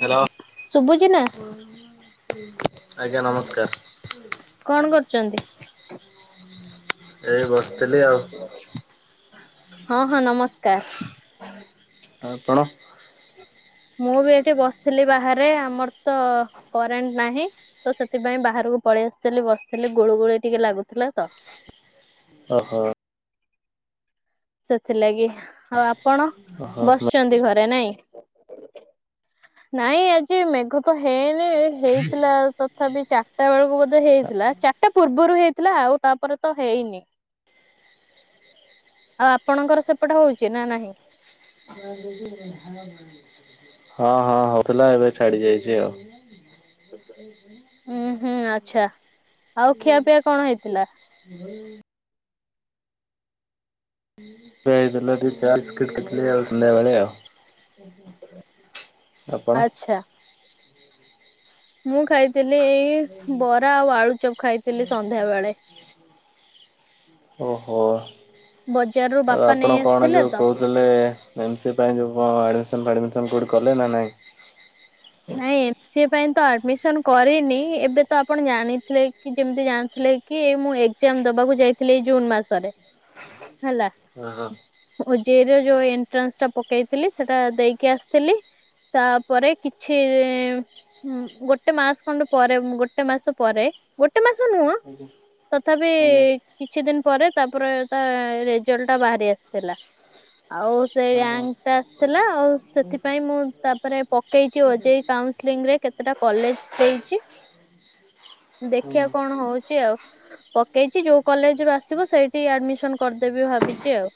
Hello. ଶୁଭୁଚିନା। [unintelligible] ଆଜ୍ଞା ନମସ୍କାର। କଣ କରୁଚନ୍ତି? ଏ ବସିଥିଲି ଆଉ। [unintelligible] ହଁ ହଁ ନମସ୍କାର। ଆଉ ଆପଣ। ମୁଁ ବି ଏଠି ବସିଥିଲି ବାହାରେ ଆମର ତ କରେଣ୍ଟ ନାହିଁ। ତ ସେଥିପାଇଁ ବାହାରକୁ ପଳେଇ ଆସିଥିଲି ବସିଥିଲି ଗୁଳୁ ଗୁଳି ଟିକେ ଲାଗୁଥିଲା ତ। ଓହୋ। ସେଥିଲାଗି ଆଉ ଆପଣ ଓହୋ ବସ ଚିନ୍ତି ଘରେ ନାଇଁ ନାଇଁ ଆଜି ମେଘ କ ହେଇନି। ହେଇଥିଲା ତଥାପି ଚାରିଟା ବେଳକୁ ବୋଧେ ହେଇଥିଲା ଚାରିଟା ପୂର୍ବରୁ ହେଇ ଥିଲା ଆଉ ତାପରେ ତ ହେଇନି। ଆଉ ଆପଣଙ୍କର ସେପଟେ ହଉଚି ନା ନାହିଁ। [unintelligible] ହଁ ହଁ ହଉଥିଲା ଏବେ ଛାଡି ଯାଇଛି ଆଉ। ହୁଁ ହୁଁ ଆଛା ଆଉ ଖିଆପିଆ କଣ ହେଇଥିଲା? [unintelligible] ଟିଫିନ୍ ହେଇଥିଲା ଚା, ବିସ୍କିଟ୍ [unintelligible] ଆପଣ? ଆଛା। ମୁଁ ଖାଇଥିଲି ବରା ଆଉ ଆଳୁଚପ ଖାଇଥିଲି ସନ୍ଧ୍ୟାବେଳେ। [inaudible] ଅହ ଆଉ ବଜାରରୁ ବାପା ଆପଣ ନେଇ କଣ ଆସିଥିଲେ ଯୋଉ ତ କହୁଥିଲେ? ଏମ୍ ସି ଏ ପାଇଁ ଯଉଁ ଆଡ଼ମିସ ଫାଡ଼ମିସନ୍ କେଉଁଠୀ କଲେ ନା ନାହିଁ? ନାଇଁ ଏମ ସିଏ ଏ ପାଇଁ ତ ଆଡମିସନ କରିନି ଏବେ ତ ଆପଣ ଜାଣିଥିଲେ କି ଯେମିତି ଜାଣିଥିଲେ କି ମୁଁ ଏକ୍ଜାମ ଦେବାକୁ ଯାଇଥିଲି ଏଇ ଜୁନ୍ ମାସରେ ହେଲା। ଓହୋ। ଓ ଯେ ଇ ର ଯଉ ଏଣ୍ଟ୍ରାନ୍ସଟା ପକେଇଥିଲି ସେଟା ଦେଇକି ଆସିଥିଲି। ତାପରେ କିଛି ହୁଁ ଗୋଟେ ମାସ ଖଣ୍ଡେ ପରେ ଗୋଟେ ମାସ ପରେ ଗୋଟେ ମାସ ନୁହଁ ଆଜ୍ଞା ତଥାପି ଆଜ୍ଞା କିଛି ଦିନ ପରେ ତାପରେତା ରେଜଲ୍ଟଟା ବାହାରି ଆସିଥିଲା। ଆଉ ସେଇ ଓହୋ ରାଙ୍କଟା ଆସିଥିଲା ଆଉ ସେଥିପାଇଁ ମୁଁ ତାପରେ ପକେଇ ଓ ଯେ ଇ କାଉନସିଲିଙ୍ଗରେ କେତେଟା କଲେଜ ଦେଇଛି। ଓହୋ। ଦେଖିବା କଣ ହଉଛି ଆଉ। ପକେଇଛି ଯୋଉ କଲେଜରୁ ଆସିବ ସେଇଠି ଆଡମିସନ କରିଦେବି ଭାବିଛି ଆଉ।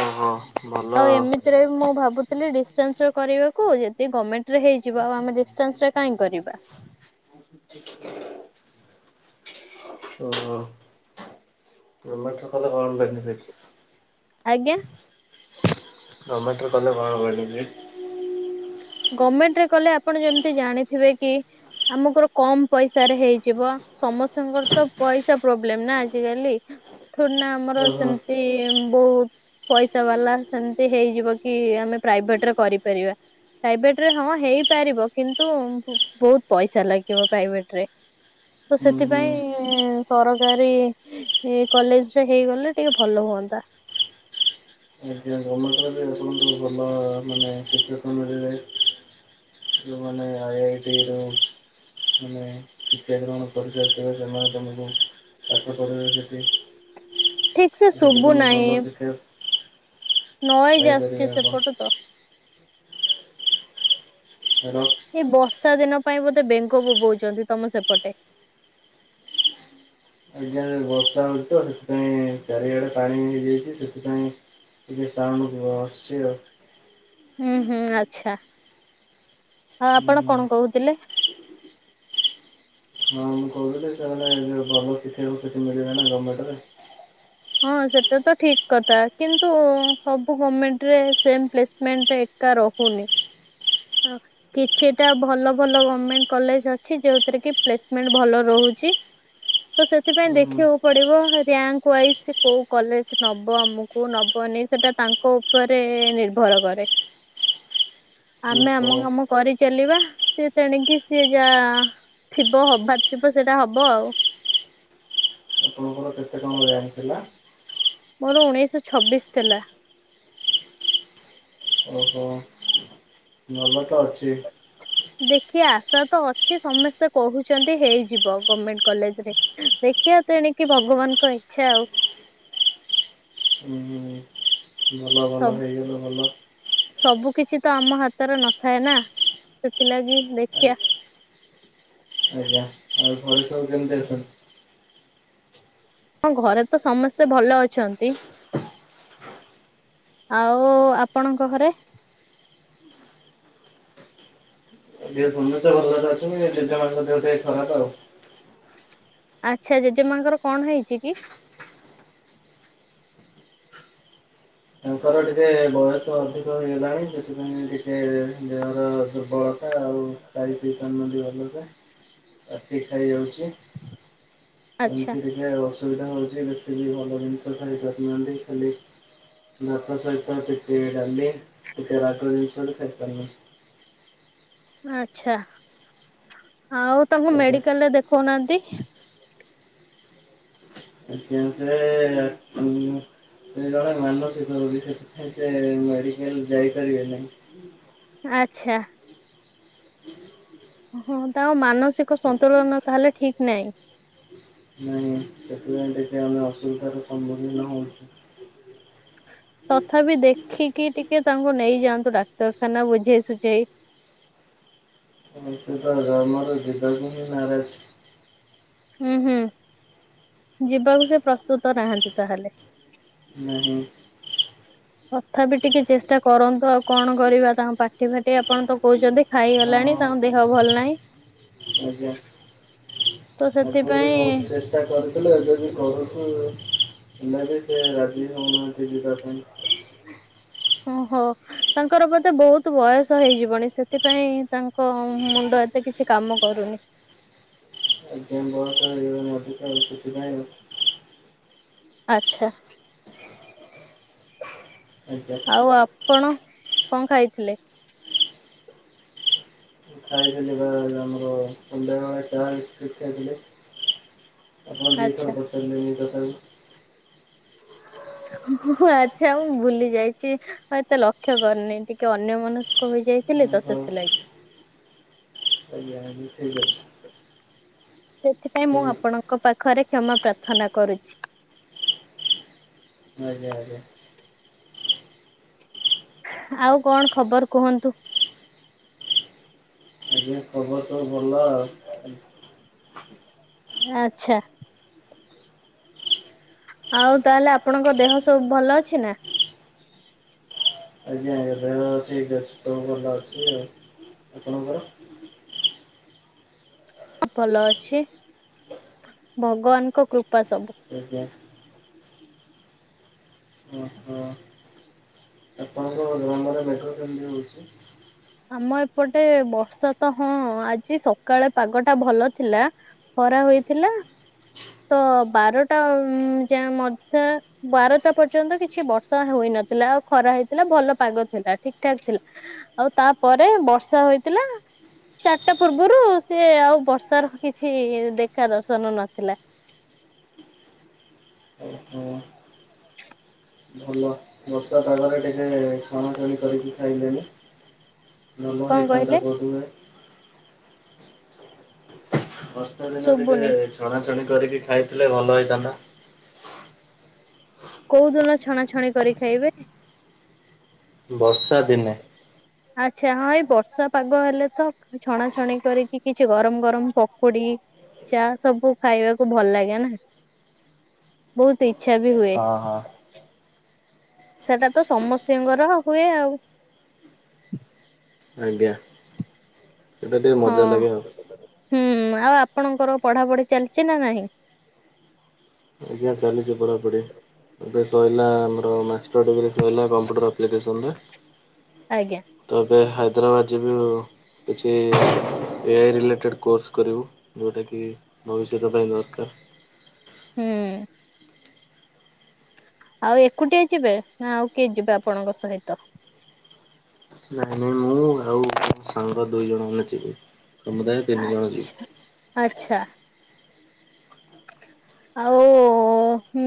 ଓହୋ ଭଲ ଆଉ ଏମିତିରେ ମୁଁ ଭାବୁଥିଲି ଡିଷ୍ଟାନ୍ସ କରିବାକୁ ଯଦି ଗଭର୍ଣମେଣ୍ଟରେ ହେଇଯିବ ଆଉ ଆମେ ଡିସ ଡିଷ୍ଟାନ୍ସରେ କାହିଁ କରିବା? ଓହୋ [unintelligible] ଆଜ୍ଞା ଗଭର୍ନମେଣ୍ଟରେ କଲେ ଭଲ ମିଳୁଛି ଗଭର୍ଣମେଣ୍ଟ ରେ କଲେ ଆପଣ ଯେମିତି ଜାଣିଥିବେ କି ଆମଙ୍କର କମ ପଇସାରେ ହେଇଯିବ। ସମସ୍ତଙ୍କର ତ ପଇସା ପ୍ରୋବ୍ଲେମ ନା ଆଜିିକାଲି। ଥୋଡି ନା ଆମର ଓହୋ ସେମତି ବହୁତ ପଇସା ବାଲା ସେମିତି ହେଇଯିବ କି ଆମେ ପ୍ରାଇଭେଟରେ କରିପାରିବା। ପ୍ରାଇଭେଟରେ ହଁ ହେଇପାରିବ କିନ୍ତୁ ବହୁତ ପଇସା ଲାଗିବ ପ୍ରାଇଭେଟରେ। ତ ହୁଁ ହୁଁ। ସେଥିପାଇଁ ସରକାରୀ ଏ କଲେଜରେ ହେଇଗଲେ ଟିକେ ଭଲ ହୁଅନ୍ତା। ଆଜ୍ଞା ଗର୍ମେଣ୍ଟରେ ବି ଆପଣଙ୍କ ଭଲ ମାନେ [unintelligible] ଯଉମାନେ ଆଇ ଆଇ ଟି ରୁ ମାନେ ଶିକ୍ଷା ଗ୍ରହଣ କରିକି ଆସିଥିବେ ସେମାନେ ତମକୁ ତାଙ୍କ [unintelligible] ସେଠି ଠିକ୍ ସେ ସେଠି ଶୁଭୁ ତମେ ନାହିଁ। ଭଲ ଶିକ୍ଷା ନଏଜ୍ ପାଇପାରିବେ ଆସୁଛି ଆପଣ ସେପଟୁ ତ। ହ୍ୟାଲୋ। ଏଇ ବର୍ଷା ଦିନ ପାଇଁ ବୋଧେ ବେଙ୍ଗ ବୋବଉଛନ୍ତି ତମ ସେପଟେ? ଆଜ୍ଞା ବର୍ଷା ହେଉଛି ତ ସେଥିପାଇଁ ଚାରିଆଡ଼େ ପାଣି ହେଇଛି ଯେହେତୁ କି ସେଥିପାଇଁ ଟିକେ ସାଉଣ୍ଡ ହଉଥିବ। ବସିଛି ଆଉ। ହୁଁ ହୁଁ ଆଚ୍ଛା ଆଉ ହୁଁ ଆପଣ ହୁଁ କଣ କହୁଥିଲେ ହଁ ମୁଁ କହୁଥିଲି ସେ ଭଲ ସିଟି କୁ ସେଠି ମିଳିବେ ନା ଗଭର୍ଣମେଣ୍ଟରେ ହଁ ସେଟା ତ ଠିକ କଥା କିନ୍ତୁ ସବୁ ଗମେଣ୍ଟରେ ସେ ପ୍ଲେସମେଣ୍ଟ ଏଟା ରହୁନି କିଛିଟା ଭଲ ଭଲ ଗଭମେଣ୍ଟ କଲେଜ ଅଛି ଯୋଉଥିରେ କି ପ୍ଲେସମେଣ୍ଟ ଭଲ ରହୁଛି ତ ସେଥିପାଇଁ ହୁଁ ଦେଖିବାକୁ ହୁଁ ପଡିବ ରିଙ୍କ ୱାଇଜ ସେ କୋଉ କଲେଜ ନବ ଆମକୁ ନବନି ସେଟା ତାଙ୍କ ଉପରେ ନିର୍ଭର କରେ ତ ଆମେ ଓହୋ ଆମ କାମ କରିଚାଲିବା ସିଏ ତେଣିକି ସିଏ ଯା ଥିବ ହବାର ଥିବ ସେଇଟା ହବ ଆଉ ଆପଣଙ୍କର କେତେ ଟଙ୍କା ବ୍ୟାଙ୍କ ଥିଲା ମୋର ଉଣେଇଶହ ଛବିଶ ଥିଲା ଓହୋ ଭଲ ତ ଅଛି ଦେଖିଆ ଆଶା ତ ଅଛି ସମସ୍ତେ କହୁଛନ୍ତି ହେଇଯିବ ଗଭର୍ମେଣ୍ଟ କଲେଜରେ ଦେଖିବା ତେଣିକି ଭଗବାନଙ୍କ ଇଚ୍ଛା ଆଉ। ହୁଁ ଭଲ ଭଲ ସବୁ ହେଇଗଲେ ଭଲ। ସବୁ କିଛି ତ ଆମ ହାତରେ ନଥାଏ ନା ସେଥିଲାଗି ଦେଖିଆ। ଆଜ୍ଞା। ଆଉ ଘରେ ସବୁ କେମିତି ଅଛନ୍ତି ହଁ, ଘରେ ତ ସମସ୍ତେ ଭଲ ଅଛନ୍ତି। ଆଉ ଆପଣଙ୍କ ଘରେ [inaudible] ସମସ୍ତେ ଭଲରେ ଅଛନ୍ତି, ଜେଜେ ମାଆଙ୍କ ଦେହ ଟିକେ ଖରାପ ଆଉ। ଆଚ୍ଛା ଜେଜେମାଙ୍କର କଣ ହେଇଛି କି ତାଙ୍କର ଟିକେ ବୟସ ଅଧିକ ହେଗଲାଣି ସେଥିପାଇଁ ଟିକେ ଦେହର ଦୁର୍ବଳତା ଆଉ ଖାଇ ପିଇ ପାରୁନାହାନ୍ତି ଭଲସେ ପାଟି ଖାଇ ଯାଉଛି। ଆଚ୍ଛା ଏମିତି ରେ ଅସୁବିଧା ହଉଛି ବେଶୀ ବି ଭଲ ଜିନିଷ ଖାଇପାରୁନାହାନ୍ତି ଖାଲି ଭାତ ସହିତ ଟିକେ ଡାଲି ଟିକେ ରାଗିବା ଜିନିଷରେ ଖାଇପାରୁନାହାନ୍ତି ଆଚ୍ଛା, ଆଉ ତାଙ୍କୁ ଆଜ୍ଞା। ମେଡିକାଲରେ ଦେଖେଉନାହାନ୍ତି। ଅଜ୍ଞା, ସେ ସେ ଜଣେ ମାନସିକ ରୋଗୀ ସେଥିପାଇଁ ସେ ମେଡିକାଲ ଯାଇପାରିବେ ନାହିଁ। ଆଚ୍ଛା। ଓ ହ ତାଙ୍କ ମାନସିକ ସନ୍ତୁଳନ ତାହେଲେ ଠିକ ନାହିଁ। ନାଇଁ ସେଥି ପାଇଁ ଟିକେ ଆମେ ଅସୁବିଧାର ସମ୍ମୁଖୀନ ହଉଛୁ। ତଥାପି ଦେଖିକି ଟିକେ ତାଙ୍କୁ ନେଇଯାଆନ୍ତୁ ଡାକ୍ତରଖାନା ବୁଝେଇ ସୁୁଝେଇ। ସେ ତ ଜମାରୁ ଯିବାକୁ ବି ନାରାଜ। ହୁଁ ହୁଁ, ଯିବାକୁ ସେ ପ୍ରସ୍ତୁତ ନାହାଁନ୍ତି ତାହେଲେ। ନାହିଁ। ତଥାପି ଟିକେ ଚେଷ୍ଟା କରନ୍ତୁ ଆଉ କଣ କରିବା ତାଙ୍କ ପାଟି ଫାଟି ଆପଣ ତ କହୁଛନ୍ତି ହଁ ଖାଇଗଲାଣି ତାଙ୍କ ଦେହ ଭଲ ନାହିଁ। ଆଜ୍ଞା। ତ ସେ ଆଗରୁ ବି ବହୁତ ଚେଷ୍ଟା କରୁଥିଲୁ ଏବେ ବି କରୁୁ ଚୁ ହେଲେ ବି ସେ ରାଜି ହେଉନାହାନ୍ତି ଯିବା ପାଇଁ। ଓହୋ। ତାଙ୍କର ବୋଧେ ବହୁତ ବୟସ ହେଇଯିବଣି ସେଥିପାଇଁ ତାଙ୍କ ମୁଣ୍ଡ ଏତେ କିଛି କାମ କରୁନି। ଆଜ୍ଞା ବୟସ ହୋଇଗଲାଣି ଅଧିକ ଆଉ ସେଥି ପାଇଁ ଆଉ। ଆଚ୍ଛା। ଆଜ୍ଞା। ଆଉ ଆପଣ କଣ ଖାଇଥିଲେ? ଖାଇଥିଲି ପା ଯୋଉ ଆମର [inaudible] ବିସ୍କିଟ ଖାଇଥିଲି। ଆପଣ ଦିଥର ଆଚ୍ଛା ପଚାରିଲେଣି ତଥାପି ହ ଆଚ୍ଛା ମୁଁ ଭୁଲି ଯାଇଛି। ହଁ ଏତେ ଲକ୍ଷ୍ୟ କରନି ଟିକେ ଅନ୍ୟ ମନସ୍କ ହୋଇଯାଇଥିଲି ତ ହଉ ସେଥିଲାଗି। ଆଜ୍ଞା ଆ ଠିକ୍ ଅଛି। ସେଥିପାଇଁ ହୁଁ ମୁଁ ଆପଣଙ୍କ ପାଖରେ କ୍ଷମା ପ୍ରାର୍ଥନା କରୁଛି। ଆଜ୍ଞା ଆଜ୍ଞା। ଆଉ କଣ ଖବର କୁହନ୍ତୁ? ଆଜ୍ଞା ଖବର ସବୁ ଭଲ ଆଉ। ଆଛା। ଆଉ ତାହେଲେ ଆପଣଙ୍କ ଦେହ ସବୁ ଭଲ ଅଛି ନା? ଆଜ୍ଞା ଆଜ୍ଞା ଦେହ ଠିକ ଅଛି। ଭଲ ଅଛି ଆଉ ଆପଣଙ୍କର? ଭଲ ଅଛି ଭଗବାନଙ୍କ କୃପା ସବୁ। ଆଜ୍ଞା। ଓ ହୋ। ଆପଣଙ୍କ [unintelligible] ମେଘ କେମିତି ହଉଛି? ଆମ ଏପଟେ ବର୍ଷା ତ ହଁ ଆଜି ସକାଳେ ପାଗଟା ଭଲ ଥିଲା। ଖରା ହୋଇଥିଲା ତ ବାରଟା ଯାଏ ମଧ୍ୟ ବାରଟା ପର୍ଯ୍ୟନ୍ତ କିଛି ବର୍ଷା ହୋଇନଥିଲା ଆଉ ଖରା ହେଇଥିଲା ଭଲ ପାଗ ଥିଲା ଠିକ ଠାକ ଥିଲା। ଆଉ ତାପରେ ବର୍ଷା ହୋଇଥିଲା। ଚାରିଟା ପୂର୍ବରୁ ସିଏ ଆଉ ବର୍ଷାର କିଛି ଦେଖା ଦର୍ଶନ ନଥିଲା। ଓହୋ। ଭଲ ବର୍ଷାପାଗରେ ଟିକେ ଛଣାଛଣି କରିକି ଖାଇଲେନି। କଣ କହିଲେ [unintelligible] ବର୍ଷାଦିନେ ଶୁଭୁନି ଟିକେ ଛଣାଛଣି କରିକି ଖାଇଥିଲେ ଭଲ ହେଇଥାନ୍ତା। କୋଉ ଦିନ ଛଣାଛଣି କରି ଖାଇବେ? ବର୍ଷା ଦିନେ। [inaudible] ଆଚ୍ଛା ହଁ ଏଇ ବର୍ଷା ପାଗ ହେଲେ ତ ଛଣାଛଣି କରିକି କିଛି ଗରମ ଗରମ ପକୁଡ଼ି। ଚା ସବୁ ଖାଇବାକୁ ଭଲ ଲାଗେ ନା ବହୁତ ଇଚ୍ଛା ବି ହୁଏ। ହଁ ହଁ। ସେଟା ତ ସମସ୍ତିଙ୍କର ହୁଏ ଆଉ। ଆଜ୍ଞା। ସେଇଟା ଟିକେ ହଁ ମଜା ଲାଗେ ଆଉ ହୁଁ ଆଉ ଆପଣଙ୍କର ପଢାପଢି ଚାଲିଛି ନା ନାହିଁ? ଆଜ୍ଞା ଚାଲିଛି ପଢାପଢି। ଏବେ ସଇଲା ଆମର ମାଷ୍ଟର ଡିଗ୍ରୀ ସଇଲା କମ୍ପ୍ୟୁଟର ଆପ୍ଲିକେସନରେ। ଆଜ୍ଞା। ତ ଏବେ ହାଇଦ୍ରାବାଦ ଯିବି ଆଉ। କିଛି ଏଆଇ ରିଲେଟେଡ଼୍ କୋର୍ସ କରିବୁ ଯଉଟାକି ଭବିଷ୍ୟତ ପାଇଁ ଦରକାର। ହୁଁ। ଆଉ ଏକୁଟିଆ ଯିବେ ନା ଆଉ କିଏ ଯିବେ ଆପଣଙ୍କ ସହିତ? ନାଇଁ ନାଇଁ ମୁଁ ଆଉ ସାଙ୍ଗ ଦୁଇ ଜଣ ମାନେ ଯିବେ। ଆଛା ଆଚ୍ଛା। ଆଉ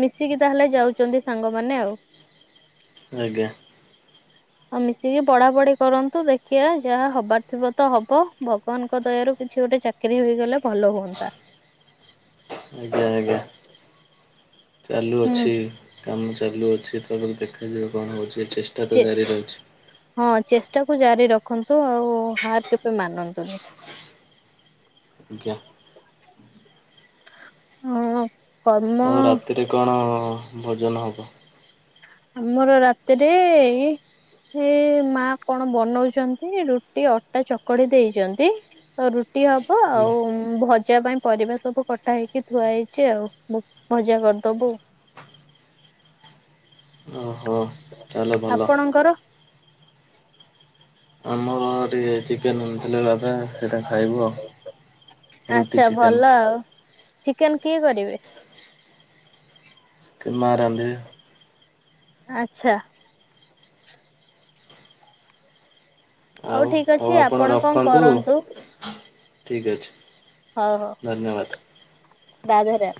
ମିଶିକି ତାହେଲେ ଯାଉଚନ୍ତି ସାଙ୍ଗମାନେ ଆଉ। ଆଜ୍ଞା। ଆଉ ମିଶିକି ପଢା ପଢି କରନ୍ତୁ ଦେଖିବା ଯାହା ହବାର୍ ଥିବ ତ ହବ ଭଗବାନଙ୍କ ଦୟାରୁ କିଛି ଗୋଟେ ଚାକ୍ କିରି ହୋଇଗଲେ ଭଲ ହୁଅନ୍ତା। ଆଜ୍ଞା ଆଜ୍ଞା। [inaudible] ଚାଲୁ ହୁଁ ଅଛି କାମ ଚାଲୁ ଅଛି ତାପରେ ଦେଖାଯାଉ କଣ ହଉଛି ଚେଷ୍ ହଁ ଚେଷ୍ଟା କୁ ଜାରି ରଖନ୍ତୁ ଆଉ ହାର କେବେ ମାନନ୍ତୁନି। [unintelligible] ହଁ। କର୍ମ ଆଉ ରାତିରେ କଣ ଭୋଜନ ହବ? ଆମର ରାତିରେ ଏଇ ଏ ମା କଣ ବନଉଚନ୍ତି ରୁଟି ଅଟା ଚକଡ଼ି ଦେଇଚନ୍ତି। ତ ରୁଟି ହବ ଆଜ୍ଞା। ଆଉ ଭଜା ପାଇଁ ପରିବା ସବୁ କଟା ହେଇକି ଥୁଆ ହେଇଚି ଆଉ। ଭଜା କରିଦବୁ। ଓହୋ ତାହେଲେ ଭଲ। ଆପଣଙ୍କର? ଆମର ଟି ଟିକିଏ ଚିକେନ୍ ଆଣିଥିଲେ ବାବା ସେଇଟା ଖାଇବୁ ଆଉ ରୁଟି ଆଚ୍ଛା ଚିକେନ୍। ଭଲ ଆଉ ଚିକେନ କିଏ କରିବେ? ଚିକେନ୍ ମା ରାନ୍ଧିବେ। ଆଚ୍ଛା। ଆଉ ଠିକ ଅଛି ହଉ ଆପଣ କଣ ରଖନ୍ତୁ କରନ୍ତୁ ଠିକ୍ ଅଛି। ହଉ ହଉ। ଧନ୍ୟବାଦ। ରାଧେ ରାଧେ।